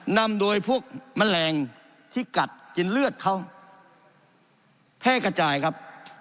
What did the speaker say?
นำโดยพวกแมลงที่กัดกินเลือดเขาแพร่กระจายครับ